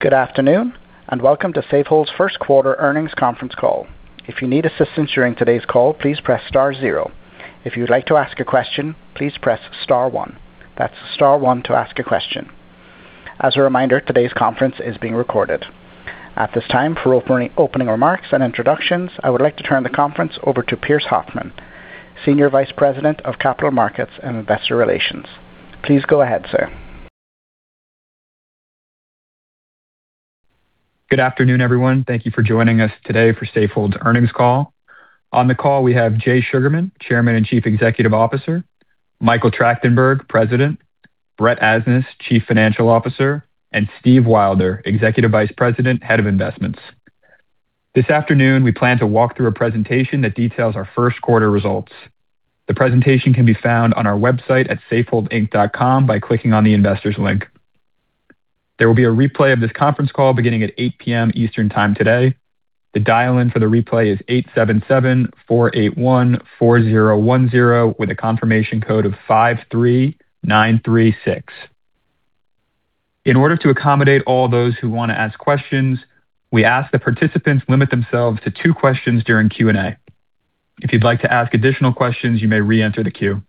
Good afternoon, welcome to Safehold's first quarter earnings conference call. If you need assistance during today's call, please press star zero. If you'd like to ask a question, please press star one. That's star one to ask a question. As a reminder, today's conference is being recorded. At this time, for opening remarks and introductions, I would like to turn the conference over to Pearse Hoffmann, Senior Vice President of Capital Markets and Investor Relations. Please go ahead, sir. Good afternoon, everyone. Thank you for joining us today for Safehold's earnings call. On the call, we have Jay Sugarman, Chairman and Chief Executive Officer; Michael Trachtenberg, President; Brett Asnas, Chief Financial Officer; and Steve Wylder, Executive Vice President, Head of Investments. This afternoon, we plan to walk through a presentation that details our first quarter results. The presentation can be found on our website at safeholdinc.com by clicking on the Investors link. There will be a replay of this conference call beginning at 8:00 P.M. Eastern Time today. The dial-in for the replay is 877-481-4010 with a confirmation code of 53936. In order to accommodate all those who wanna ask questions, we ask the participants limit themselves to two questions during Q&A. If you'd like to ask additional questions, you may re-enter the queue.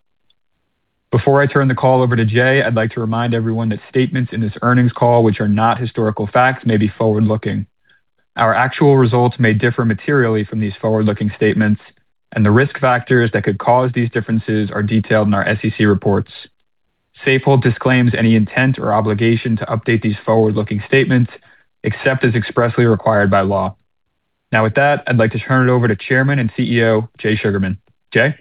Before I turn the call over to Jay, I'd like to remind everyone that statements in this earnings call which are not historical facts may be forward-looking. Our actual results may differ materially from these forward-looking statements, and the risk factors that could cause these differences are detailed in our SEC reports. Safehold disclaims any intent or obligation to update these forward-looking statements except as expressly required by law. With that, I'd like to turn it over to Chairman and CEO, Jay Sugarman. Jay?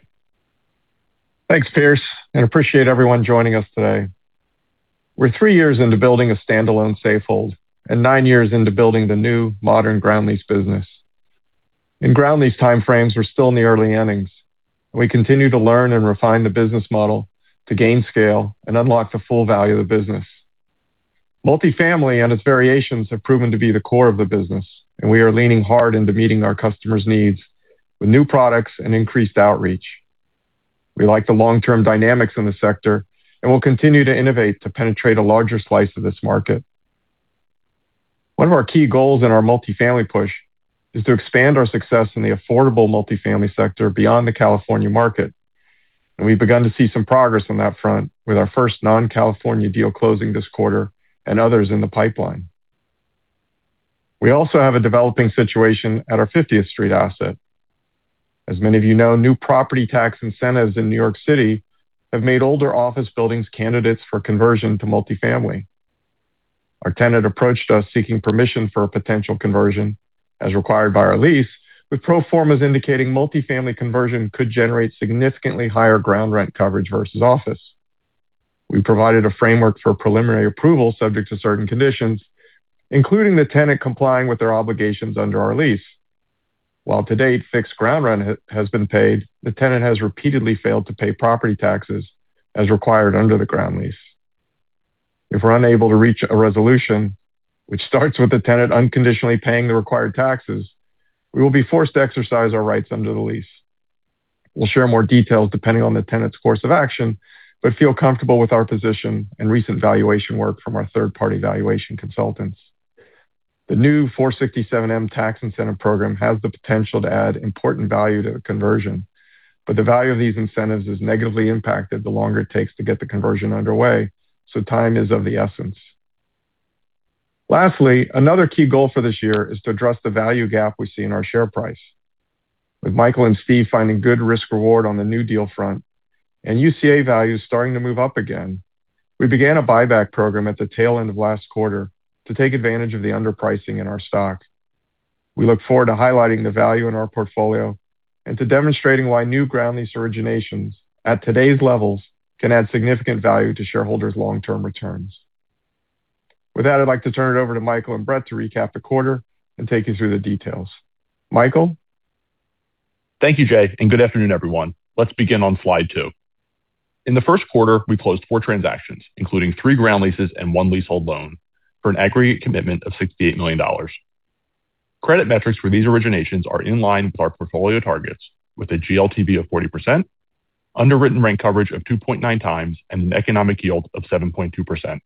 Thanks, Pearse, and appreciate everyone joining us today. We're three years into building a standalone Safehold and nine years into building the new modern ground lease business. In ground lease time frames, we're still in the early innings. We continue to learn and refine the business model to gain scale and unlock the full value of the business. Multifamily and its variations have proven to be the core of the business, and we are leaning hard into meeting our customers' needs with new products and increased outreach. We like the long-term dynamics in the sector and will continue to innovate to penetrate a larger slice of this market. One of our key goals in our multifamily push is to expand our success in the affordable multifamily sector beyond the California market, and we've begun to see some progress on that front with our first non-California deal closing this quarter and others in the pipeline. We also have a developing situation at our 50th Street asset. As many of you know, new property tax incentives in New York City have made older office buildings candidates for conversion to multifamily. Our tenant approached us seeking permission for a potential conversion as required by our lease, with pro formas indicating multifamily conversion could generate significantly higher ground rent coverage versus office. We provided a framework for preliminary approval subject to certain conditions, including the tenant complying with their obligations under our lease. While to date fixed ground rent has been paid, the tenant has repeatedly failed to pay property taxes as required under the ground lease. If we're unable to reach a resolution, which starts with the tenant unconditionally paying the required taxes, we will be forced to exercise our rights under the lease. We'll share more details depending on the tenant's course of action but feel comfortable with our position and recent valuation work from our third-party valuation consultants. The new 467-m tax incentive program has the potential to add important value to the conversion, but the value of these incentives is negatively impacted the longer it takes to get the conversion underway. Time is of the essence. Lastly, another key goal for this year is to address the value gap we see in our share price. With Michael and Steve finding good risk reward on the new deal front and UCA values starting to move up again, we began a buyback program at the tail end of last quarter to take advantage of the underpricing in our stock. We look forward to highlighting the value in our portfolio and to demonstrating why new ground lease originations at today's levels can add significant value to shareholders' long-term returns. With that, I'd like to turn it over to Michael and Brett to recap the quarter and take you through the details. Michael? Thank you, Jay. Good afternoon, everyone. Let's begin on slide two. In the first quarter, we closed four transactions, including three ground leases and one leasehold loan, for an aggregate commitment of $68 million. Credit metrics for these originations are in line with our portfolio targets with a GLTV of 40%, underwritten rent coverage of 2.9x, and an economic yield of 7.2%.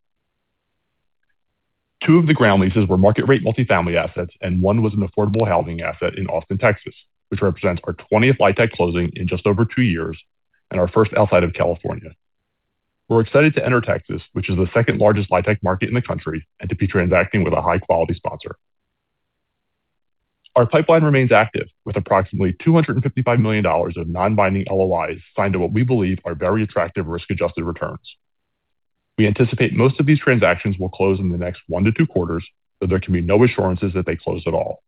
Two of the ground leases were market rate multifamily assets, and one was an affordable housing asset in Austin, Texas, which represents our 20th LIHTC closing in just over two years and our first outside of California. We're excited to enter Texas, which is the second-largest LIHTC market in the country, and to be transacting with a high-quality sponsor. Our pipeline remains active with approximately $255 million of non-binding LOIs signed to what we believe are very attractive risk-adjusted returns. We anticipate most of these transactions will close in the next one to two quarters, though there can be no assurances that they close at all.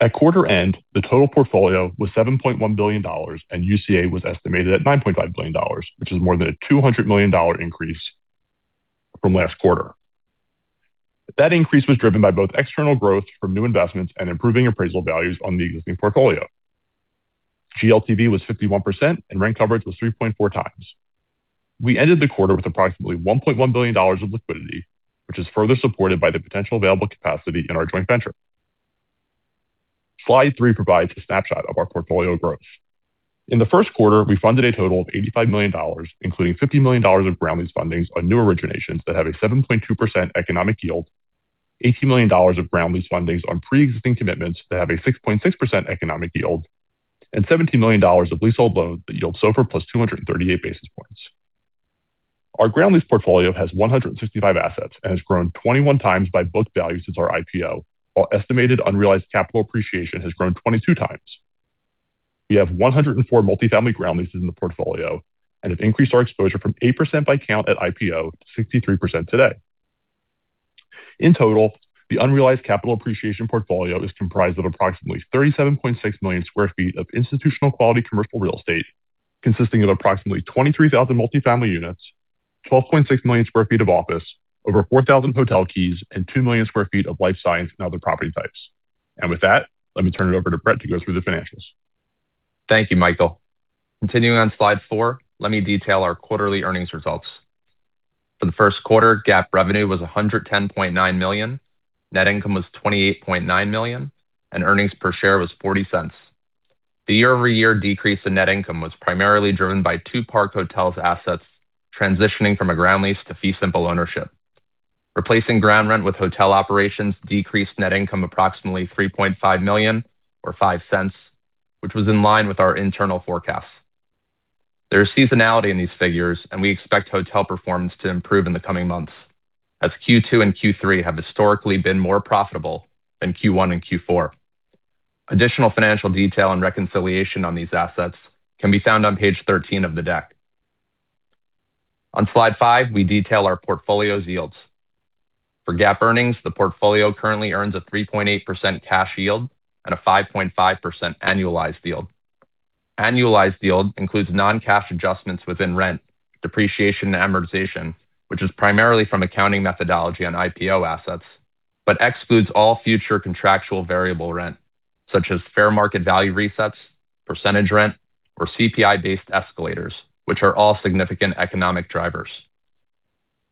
At quarter end, the total portfolio was $7.1 billion, and UCA was estimated at $9.5 billion, which is more than a $200 million increase from last quarter. That increase was driven by both external growth from new investments and improving appraisal values on the existing portfolio. GLTV was 51%, and rent coverage was 3.4x. We ended the quarter with approximately $1.1 billion of liquidity, which is further supported by the potential available capacity in our joint venture. Slide three provides a snapshot of our portfolio growth. In the first quarter, we funded a total of $85 million, including $50 million of ground lease fundings on new originations that have a 7.2% economic yield, $80 million of ground lease fundings on pre-existing commitments that have a 6.6% economic yield, and $17 million of leasehold loans that yield SOFR + 238 basis points. Our ground lease portfolio has 165 assets and has grown 21x by book value since our IPO, while estimated unrealized capital appreciation has grown 22x. We have 104 multifamily ground leases in the portfolio and have increased our exposure from 8% by count at IPO to 63% today. In total, the unrealized capital appreciation portfolio is comprised of approximately 37.6 million sq ft of institutional quality commercial real estate, consisting of approximately 23,000 multifamily units, 12.6 million sq ft of office, over 4,000 hotel keys, and 2 million sq ft of life science and other property types. With that, let me turn it over to Brett to go through the financials. Thank you, Michael. Continuing on slide four, let me detail our quarterly earnings results. For the first quarter, GAAP revenue was $110.9 million, net income was $28.9 million, and earnings per share was $0.40. The year-over-year decrease in net income was primarily driven by two Park Hotels assets transitioning from a ground lease to fee simple ownership. Replacing ground rent with hotel operations decreased net income approximately $3.5 million, or $0.05, which was in line with our internal forecasts. There is seasonality in these figures, we expect hotel performance to improve in the coming months, as Q2 and Q3 have historically been more profitable than Q1 and Q4. Additional financial detail and reconciliation on these assets can be found on page 13 of the deck. On slide five, we detail our portfolio's yields. For GAAP earnings, the portfolio currently earns a 3.8% cash yield and a 5.5% annualized yield. Annualized yield includes non-cash adjustments within rent, depreciation, and amortization, which is primarily from accounting methodology on IPO assets, but excludes all future contractual variable rent, such as fair market value resets, percentage rent, or CPI-based escalators, which are all significant economic drivers.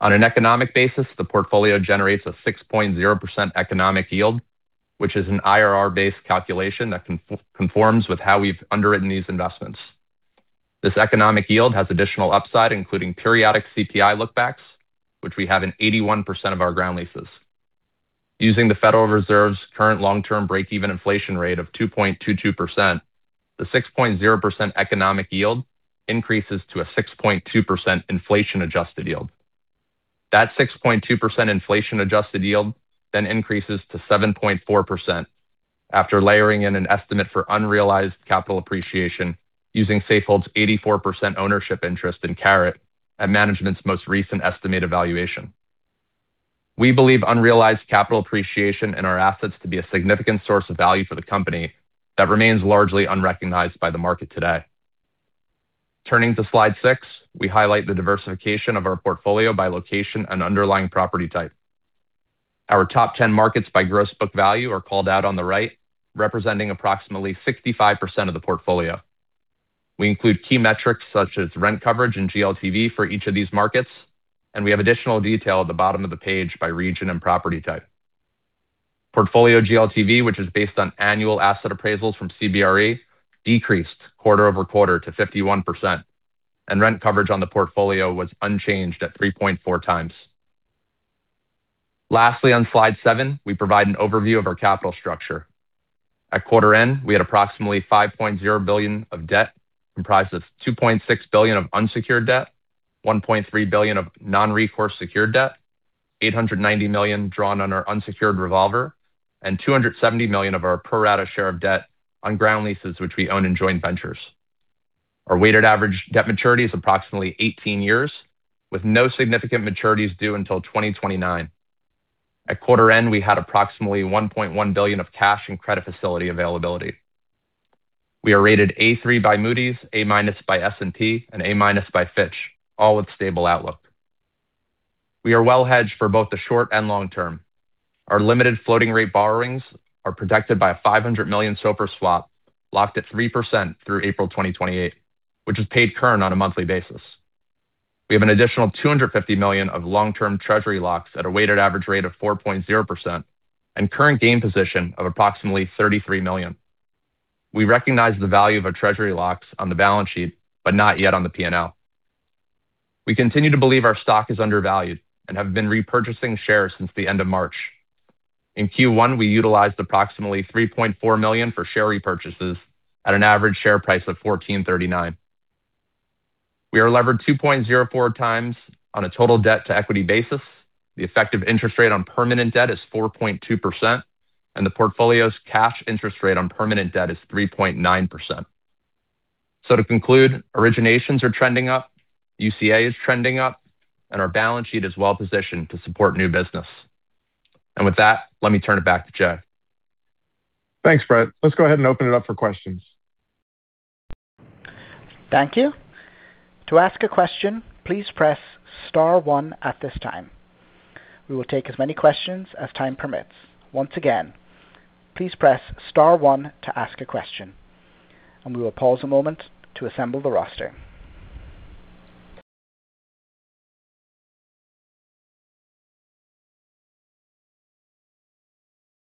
On an economic basis, the portfolio generates a 6.0% economic yield, which is an IRR-based calculation that conforms with how we've underwritten these investments. This economic yield has additional upside, including periodic CPI look-backs, which we have in 81% of our ground leases. Using the Federal Reserve's current long-term breakeven inflation rate of 2.22%, the 6.0% economic yield increases to a 6.2% inflation-adjusted yield. That 6.2% inflation-adjusted yield then increases to 7.4% after layering in an estimate for unrealized capital appreciation using Safehold's 84% ownership interest in Caret at management's most recent estimated valuation. We believe unrealized capital appreciation in our assets to be a significant source of value for the company that remains largely unrecognized by the market today. Turning to slide six, we highlight the diversification of our portfolio by location and underlying property type. Our top 10 markets by gross book value are called out on the right, representing approximately 65% of the portfolio. We include key metrics such as rent coverage and GLTV for each of these markets, and we have additional detail at the bottom of the page by region and property type. Portfolio GLTV, which is based on annual asset appraisals from CBRE, decreased quarter-over-quarter to 51%, and rent coverage on the portfolio was unchanged at 3.4x. Lastly, on slide seven, we provide an overview of our capital structure. At quarter end, we had approximately $5.0 billion of debt, comprised of $2.6 billion of unsecured debt, $1.3 billion of non-recourse secured debt, $890 million drawn on our unsecured revolver, and $270 million of our pro rata share of debt on ground leases which we own in joint ventures. Our weighted average debt maturity is approximately 18 years, with no significant maturities due until 2029. At quarter end, we had approximately $1.1 billion of cash and credit facility availability. We are rated A3 by Moody's, A- by S&P, and A- by Fitch, all with stable outlook. We are well hedged for both the short and long term. Our limited floating rate borrowings are protected by a $500 million SOFR swap locked at 3% through April 2028, which is paid current on a monthly basis. We have an additional $250 million of long-term Treasury locks at a weighted average rate of 4.0% and current gain position of approximately $33 million. We recognize the value of our Treasury locks on the balance sheet, but not yet on the P&L. We continue to believe our stock is undervalued and have been repurchasing shares since the end of March. In Q1, we utilized approximately $3.4 million for share repurchases at an average share price of $14.39. We are levered 2.04x on a total debt to equity basis. The effective interest rate on permanent debt is 4.2%, and the portfolio's cash interest rate on permanent debt is 3.9%. To conclude, originations are trending up, UCA is trending up, and our balance sheet is well positioned to support new business. With that, let me turn it back to Jay. Thanks, Brett. Let's go ahead and open it up for questions. Thank you.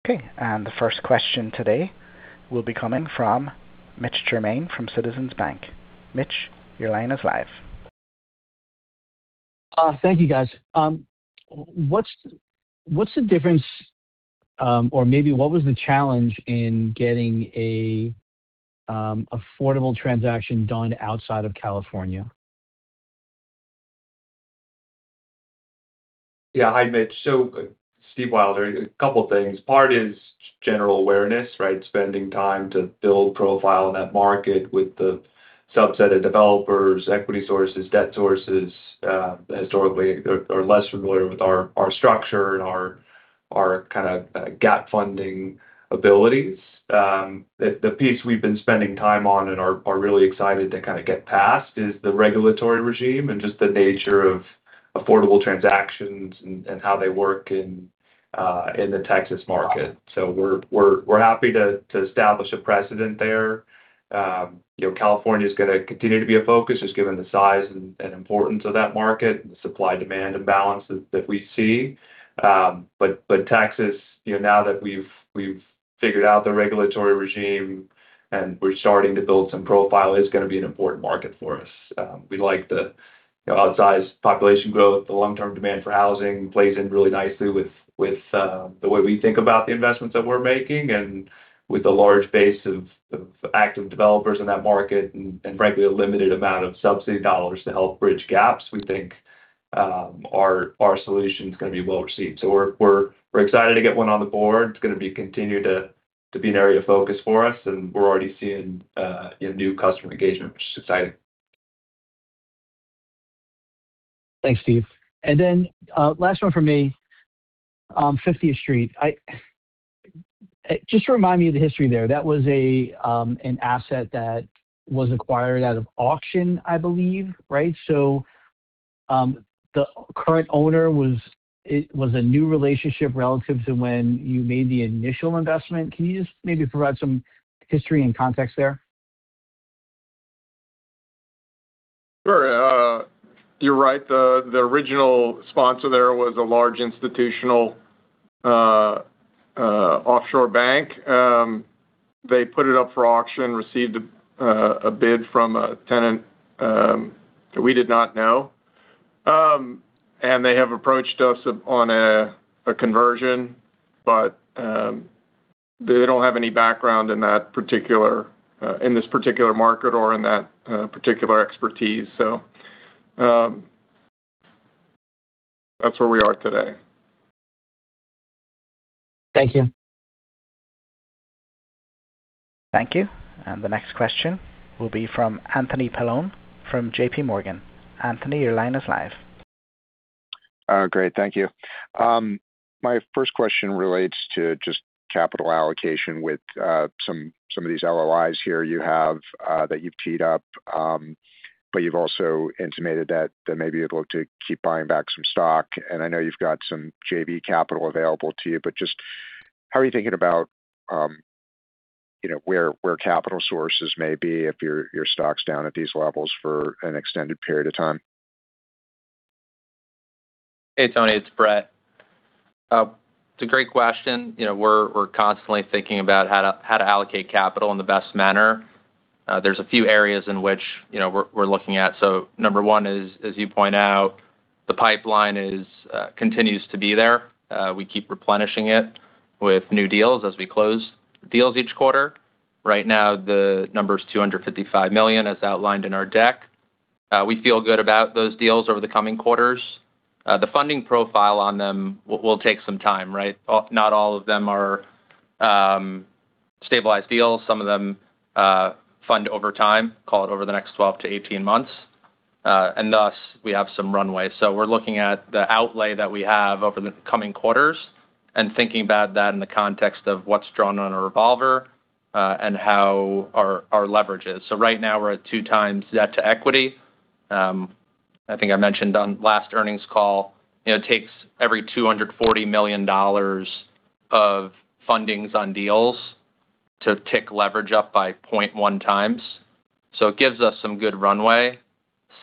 Okay. The first question today will be coming from Mitch Germain from Citizens Bank. Mitch, your line is live. Thank you, guys. What's the difference, or maybe what was the challenge in getting affordable transaction done outside of California? Yeah. Hi, Mitch. Steve Wylder. A couple things. Part is general awareness, right? Spending time to build profile in that market with the subset of developers, equity sources, debt sources, historically are less familiar with our structure and our kind of gap funding abilities. The piece we've been spending time on and are really excited to kind of get past is the regulatory regime and just the nature of affordable transactions and how they work in the Texas market. We're happy to establish a precedent there. You know, California's gonna continue to be a focus just given the size and importance of that market and the supply-demand imbalance that we see. Texas, you know, now that we've figured out the regulatory regime and we're starting to build some profile, is gonna be an important market for us. We like the, you know, outsized population growth. The long-term demand for housing plays in really nicely with the way we think about the investments that we're making and with a large base of active developers in that market and frankly, a limited amount of subsidy dollars to help bridge gaps, we think, our solution's gonna be well received. We're excited to get one on the board. It's gonna be continued to be an area of focus for us. We're already seeing, you know, new customer engagement, which is exciting. Thanks, Steve. Last one from me. 50th Street. Just remind me of the history there. That was an asset that was acquired out of auction, I believe, right? The current owner was a new relationship relative to when you made the initial investment. Can you just maybe provide some history and context there? Sure. You're right. The original sponsor there was a large institutional offshore bank. They put it up for auction, received a bid from a tenant that we did not know. They have approached us on a conversion, but they don't have any background in that particular, in this particular market or in that particular expertise. That's where we are today. Thank you. Thank you. The next question will be from Anthony Paolone from JPMorgan. Anthony, your line is live. Thank you. My first question relates to just capital allocation with some of these LOIs here you have that you've teed up. You've also intimated that maybe you're able to keep buying back some stock. I know you've got some JV capital available to you, but just how are you thinking about, you know, where capital sources may be if your stock's down at these levels for an extended period of time? Hey, Tony. It's Brett. It's a great question. You know, we're constantly thinking about how to allocate capital in the best manner. There's a few areas in which, you know, we're looking at. Number one is, as you point out, the pipeline is, continues to be there. We keep replenishing it with new deals as we close deals each quarter. Right now, the number's $255 million, as outlined in our deck. We feel good about those deals over the coming quarters. The funding profile on them will take some time, right? Not all of them are stabilized deals. Some of them fund over time, call it over the next 12-18 months. Thus, we have some runway. We're looking at the outlay that we have over the coming quarters and thinking about that in the context of what's drawn on a revolver and how our leverage is. Right now we're at 2x debt to equity. I think I mentioned on last earnings call, you know, it takes every $240 million of fundings on deals to tick leverage up by 0.1x. It gives us some good runway.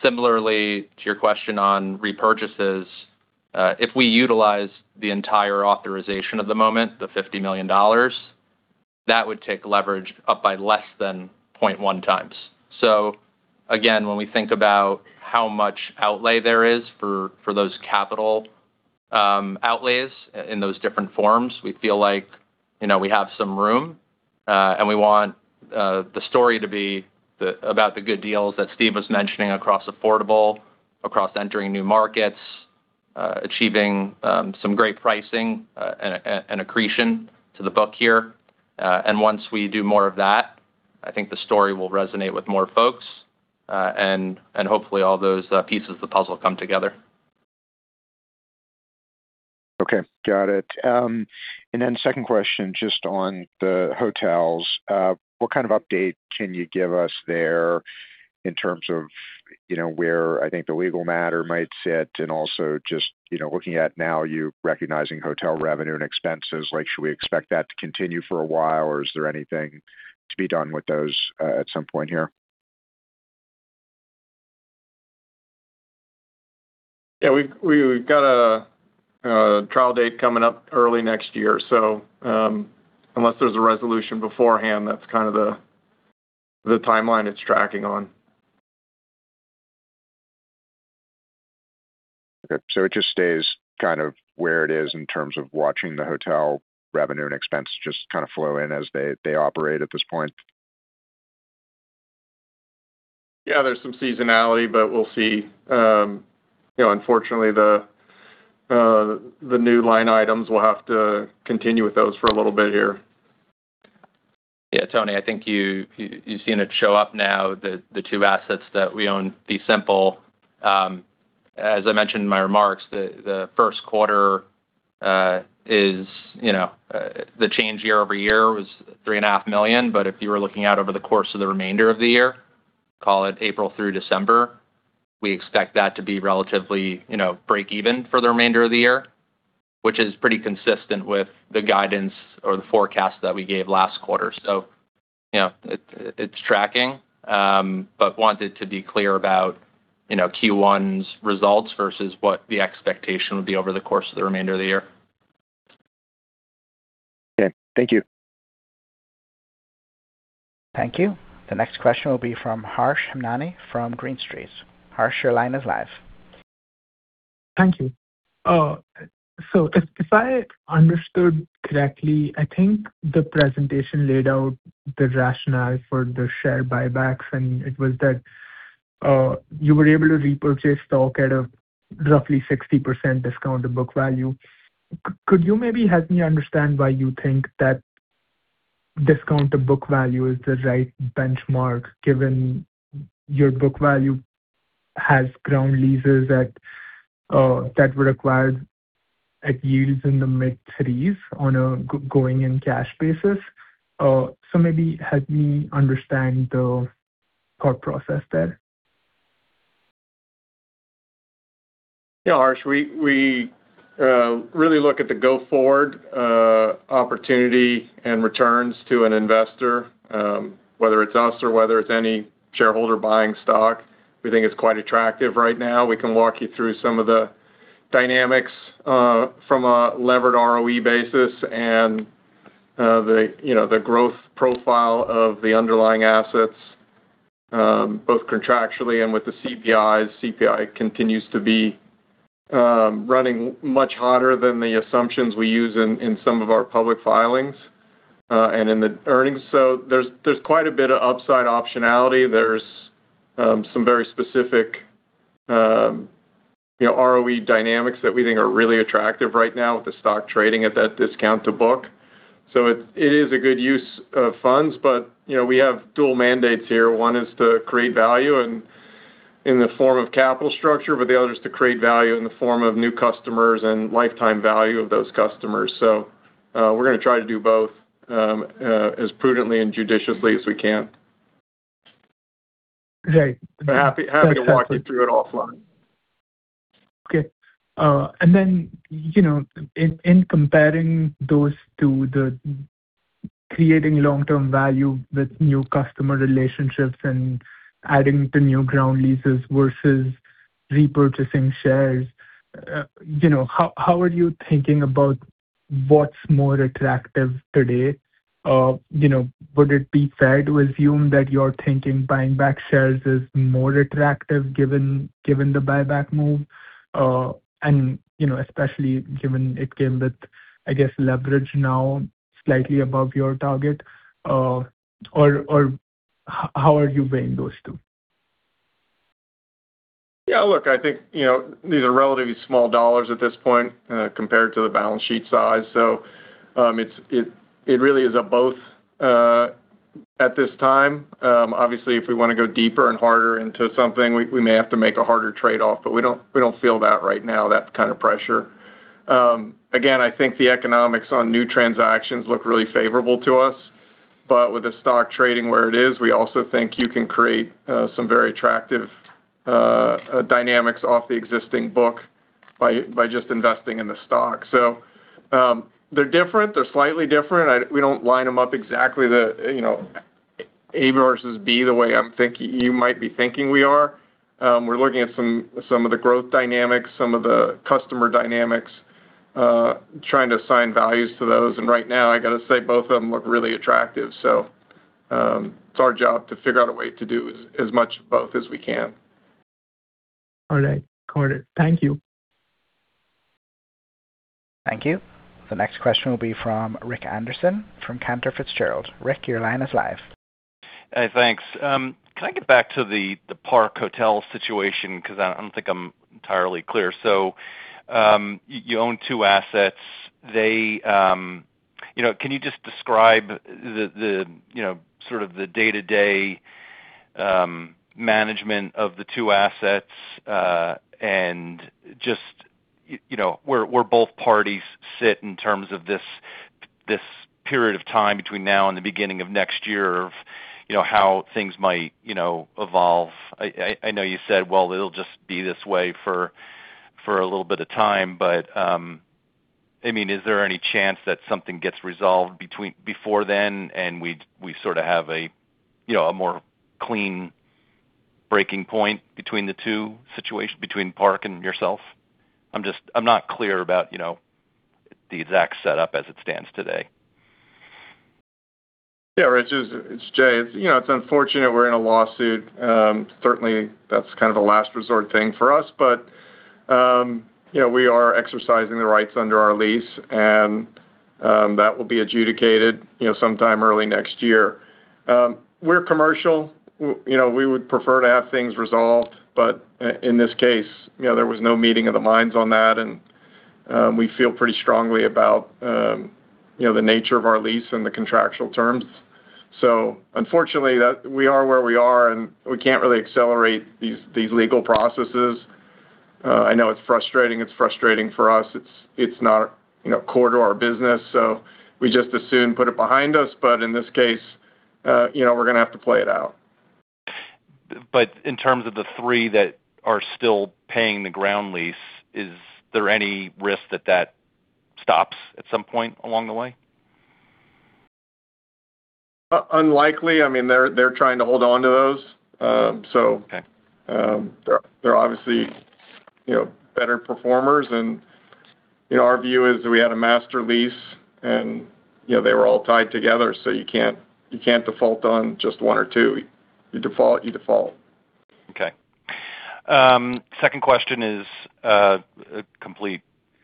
Similarly to your question on repurchases, if we utilize the entire authorization at the moment, the $50 million, that would take leverage up by less than 0.1x. Again, when we think about how much outlay there is for those capital outlays in those different forms, we feel like, you know, we have some room. We want the story to be the, about the good deals that Steve was mentioning across affordable, across entering new markets, achieving some great pricing, and accretion to the book here. Once we do more of that, I think the story will resonate with more folks, and hopefully all those pieces of the puzzle come together. Okay. Got it. Second question, just on the hotels. What kind of update can you give us there in terms of, you know, where I think the legal matter might sit and also just, you know, looking at now you recognizing hotel revenue and expenses, like should we expect that to continue for a while or is there anything to be done with those at some point here? Yeah, we've got a trial date coming up early next year. Unless there's a resolution beforehand, that's kind of the timeline it's tracking on. Okay. It just stays kind of where it is in terms of watching the hotel revenue and expense just kind of flow in as they operate at this point? Yeah. There's some seasonality, but we'll see. You know, unfortunately, the new line items will have to continue with those for a little bit here. Yeah. Tony, I think you've seen it show up now, the two assets that we own, fee simple. As I mentioned in my remarks, the first quarter, you know, the change year-over-year was $3.5 million. If you were looking out over the course of the remainder of the year, call it April through December, we expect that to be relatively, you know, break even for the remainder of the year, which is pretty consistent with the guidance or the forecast that we gave last quarter. You know, it's tracking, but wanted to be clear about, you know, Q1's results versus what the expectation would be over the course of the remainder of the year. Okay. Thank you. Thank you. The next question will be from Harsh Hemnani from Green Street. Harsh, your line is live. Thank you. If I understood correctly, I think the presentation laid out the rationale for the share buybacks, and it was that you were able to repurchase stock at a roughly 60% discount to book value. Could you maybe help me understand why you think that discount to book value is the right benchmark, given your book value has ground leases that were acquired at yields in the mid-3s on a going and cash basis? Maybe help me understand the thought process there. Harsh, we really look at the go forward opportunity and returns to an investor, whether it's us or whether it's any shareholder buying stock. We think it's quite attractive right now. We can walk you through some of the dynamics from a levered ROE basis and, you know, the growth profile of the underlying assets, both contractually and with the CPI. CPI continues to be running much hotter than the assumptions we use in some of our public filings and in the earnings. There's quite a bit of upside optionality. There's some very specific, you know, ROE dynamics that we think are really attractive right now with the stock trading at that discount to book. It is a good use of funds. You know, we have two mandates here. One is to create value and in the form of capital structure, but the other is to create value in the form of new customers and lifetime value of those customers. We're gonna try to do both as prudently and judiciously as we can. Great. Be happy to walk you through it offline. Okay. You know, in comparing those to the creating long-term value with new customer relationships and adding to new ground leases versus repurchasing shares, you know, how are you thinking about what's more attractive today? You know, would it be fair to assume that you're thinking buying back shares is more attractive given the buyback move? You know, especially given it came with, I guess, leverage now slightly above your target. How are you weighing those two? Yeah, look, I think, you know, these are relatively small dollars at this point, compared to the balance sheet size. It really is a both at this time. Obviously, if we wanna go deeper and harder into something, we may have to make a harder trade-off, but we don't, we don't feel that right now. That kind of pressure. Again, I think the economics on new transactions look really favorable to us, but with the stock trading where it is, we also think you can create some very attractive dynamics off the existing book by just investing in the stock. They're different. They're slightly different. We don't line them up exactly. You know, A versus B, the way I'm thinking, you might be thinking we are. We're looking at some of the growth dynamics, some of the customer dynamics, trying to assign values to those. Right now, I gotta say both of them look really attractive. It's our job to figure out a way to do as much of both as we can. All right. Got it. Thank you. Thank you. The next question will be from Rick Anderson from Cantor Fitzgerald. Rick, your line is live. Hey, thanks. Can I get back to the Park Hotel situation? 'Cause I don't think I'm entirely clear. You own two assets. They. You know, can you just describe the, you know, sort of the day-to-day management of the two assets, and just, you know, where both parties sit in terms of this period of time between now and the beginning of next year of, you know, how things might, you know, evolve. I know you said, well, it'll just be this way for a little bit of time, but I mean, is there any chance that something gets resolved before then and we sort of have a, you know, a more clean breaking point between the two situations, between Park and yourself? I'm not clear about, you know, the exact setup as it stands today. Yeah, Rich, it's Jay. You know, it's unfortunate we're in a lawsuit. Certainly, that's kind of a last resort thing for us. You know, we are exercising the rights under our lease, and that will be adjudicated, you know, sometime early next year. We're commercial. You know, we would prefer to have things resolved. In this case, you know, there was no meeting of the minds on that. We feel pretty strongly about, you know, the nature of our lease and the contractual terms. Unfortunately, that we are where we are, and we can't really accelerate these legal processes. I know it's frustrating. It's frustrating for us. It's not, you know, core to our business, so we just assume put it behind us. In this case, you know, we're gonna have to play it out. In terms of the three that are still paying the ground lease, is there any risk that that stops at some point along the way? Unlikely. I mean, they're trying to hold on to those. Okay. They're obviously, you know, better performers. You know, our view is we had a master lease You know, they were all tied together, so you can't default on just one or two. You default, you default. Second question is a complete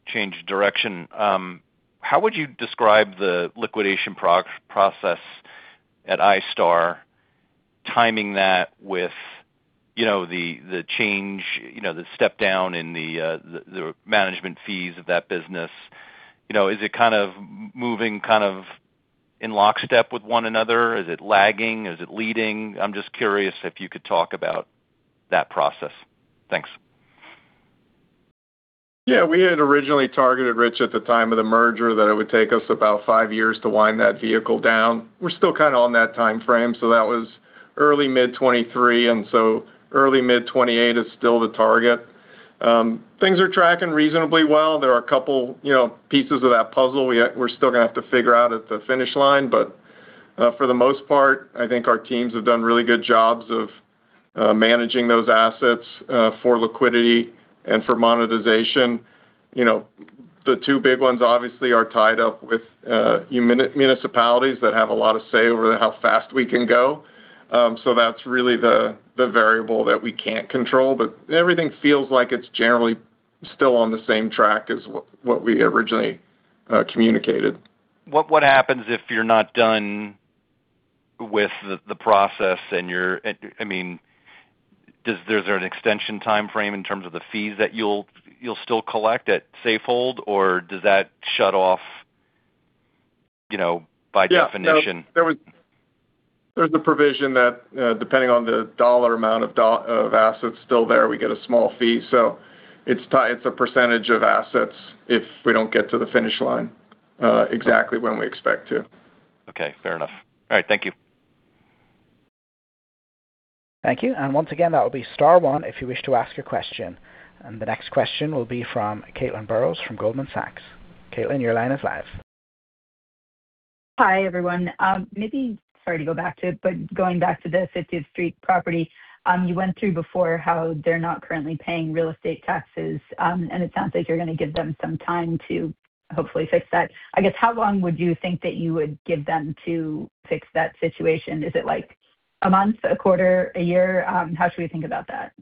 change of direction. How would you describe the liquidation process at iStar timing that with, you know, the change, you know, the step down in the management fees of that business? You know, is it kind of moving kind of in lockstep with one another? Is it lagging? Is it leading? I'm just curious if you could talk about that process. Thanks. Yeah. We had originally targeted Rich at the time of the merger that it would take us about five years to wind that vehicle down. We're still kinda on that timeframe, so that was early mid 2023, and so early mid 2028 is still the target. Things are tracking reasonably well. There are a couple, you know, pieces of that puzzle we're still gonna have to figure out at the finish line. For the most part, I think our teams have done really good jobs of managing those assets for liquidity and for monetization. You know, the two big ones obviously are tied up with municipalities that have a lot of say over how fast we can go. That's really the variable that we can't control. Everything feels like it's generally still on the same track as what we originally communicated. What happens if you're not done with the process and, I mean, is there an extension timeframe in terms of the fees that you'll still collect at Safehold, or does that shut off, you know, by definition? Yeah. No, there's a provision that, depending on the dollar amount of assets still there, we get a small fee. It's a percentage of assets if we don't get to the finish line exactly when we expect to. Okay, fair enough. All right, thank you. Thank you. Once again, that will be star one if you wish to ask your question. The next question will be from Caitlin Burrows from Goldman Sachs. Caitlin, your line is live. Hi, everyone. Maybe sorry to go back to it, going back to the 50th Street property. You went through before how they're not currently paying real estate taxes, and it sounds like you're gonna give them some time to hopefully fix that. I guess how long would you think that you would give them to fix that situation? Is it like a month, a quarter, a year? How should we think about that?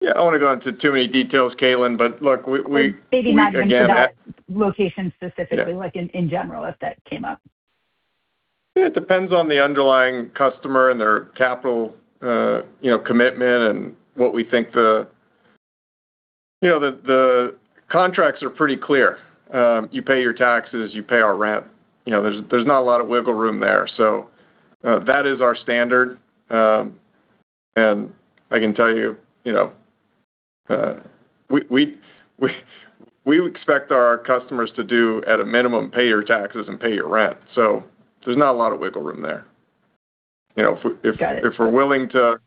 Yeah. I don't wanna go into too many details, Caitlin. But, look, we can- Maybe not into that location specifically- Yeah.... like in general if that came up. Yeah. It depends on the underlying customer and their capital, you know, commitment. You know, the contracts are pretty clear. You pay your taxes, you pay our rent. You know, there's not a lot of wiggle room there. That is our standard. And I can tell you know, we expect our customers to do at a minimum, pay your taxes and pay your rent. There's not a lot of wiggle room there. Got it. If we're willing to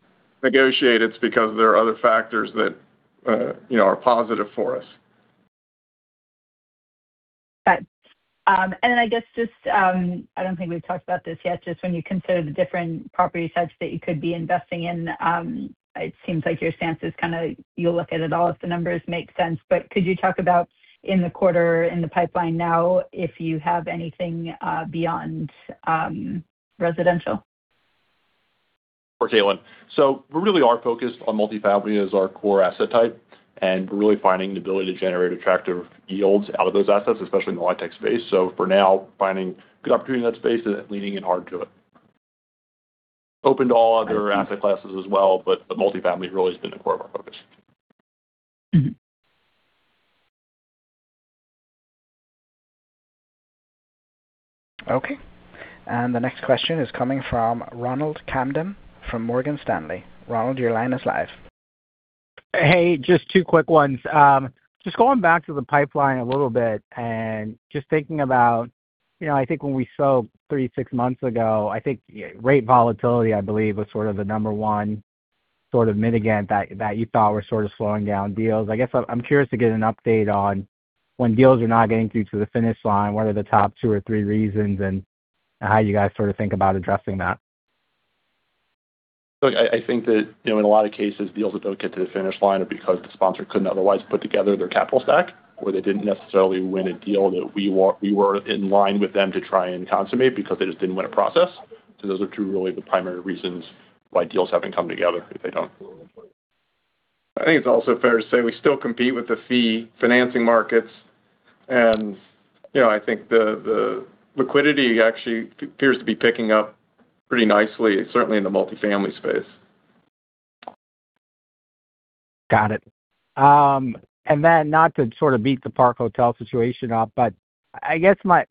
negotiate, it's because there are other factors that, you know, are positive for us. Got it. I guess just, I don't think we've talked about this yet. Just when you consider the different property types that you could be investing in, it seems like your stance is kinda you'll look at it all if the numbers make sense. Could you talk about in the quarter, in the pipeline now, if you have anything beyond residential? Sure, Caitlin. We really are focused on multifamily as our core asset type, and we're really finding the ability to generate attractive yields out of those assets, especially in the tech space. For now, finding good opportunity in that space and leaning in hard to it. Open to all other asset classes as well, but the multifamily really has been the core of our focus. Okay. The next question is coming from Ronald Kamdem from Morgan Stanley. Ronald, your line is live. Hey, just two quick ones. Just going back to the pipeline a little bit and just thinking about, you know, I think when we spoke three months, six months ago, I think rate volatility, I believe, was sort of the number one sort of mitigate that you thought were sort of slowing down deals. I guess I'm curious to get an update on when deals are not getting through to the finish line, what are the top two or three reasons, how you guys sort of think about addressing that? I think that, you know, in a lot of cases, deals that don't get to the finish line are because the sponsor couldn't otherwise put together their capital stack, or they didn't necessarily win a deal that we were in line with them to try and consummate because they just didn't win a process. Those are two really the primary reasons why deals haven't come together if they don't. I think it's also fair to say we still compete with the fee financing markets, and, you know, I think the liquidity actually appears to be picking up pretty nicely, certainly in the multi-family space. Got it. Not to sort of beat the Park Hotel situation up,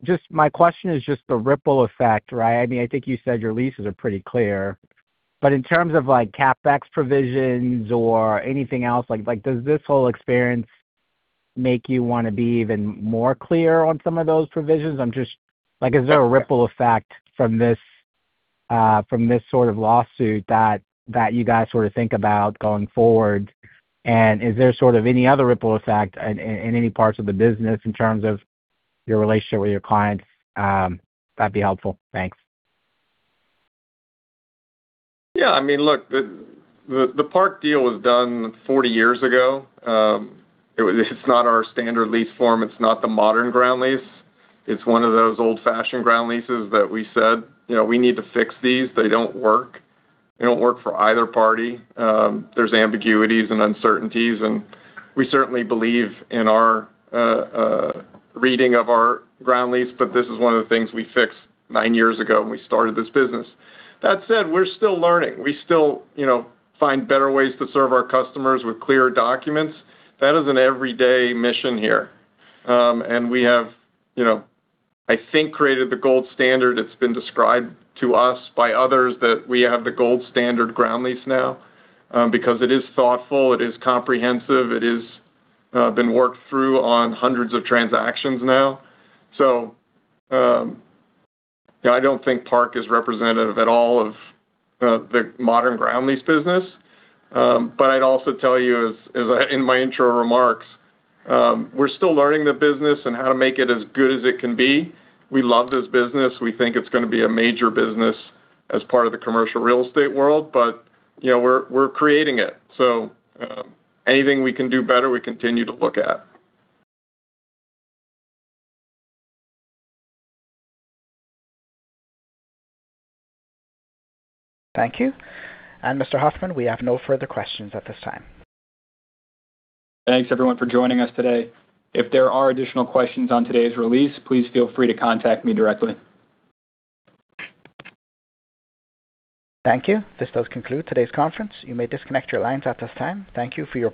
just my question is just the ripple effect, right? I mean, I think you said your leases are pretty clear. In terms of like CapEx provisions or anything else, like, does this whole experience make you wanna be even more clear on some of those provisions? Like, is there a ripple effect from this sort of lawsuit that you guys sort of think about going forward? Is there sort of any other ripple effect in any parts of the business in terms of your relationship with your clients? That'd be helpful. Thanks. Yeah. I mean, look, the Park deal was done 40 years ago. It's not our standard lease form. It's not the modern ground lease. It's one of those old-fashioned ground leases that we said, you know, "We need to fix these. They don't work." They don't work for either party. There's ambiguities and uncertainties, and we certainly believe in our reading of our ground lease. This is one of the things we fixed nine years ago when we started this business. That said, we're still learning. We still, you know, find better ways to serve our customers with clearer documents. That is an everyday mission here. We have, you know, I think, created the gold standard. It's been described to us by others that we have the gold standard ground lease now, because it is thoughtful, it is comprehensive, it is been worked through on hundreds of transactions now. Yeah, I don't think Park is representative at all of the modern ground lease business. I'd also tell you in my intro remarks, we're still learning the business and how to make it as good as it can be. We love this business. We think it's gonna be a major business as part of the commercial real estate world. You know, we're creating it. Anything we can do better, we continue to look at. Thank you. Mr. Hoffmann, we have no further questions at this time. Thanks everyone for joining us today. If there are additional questions on today's release, please feel free to contact me directly. Thank you. This does conclude today's conference. You may disconnect your lines at this time. Thank you for your participation.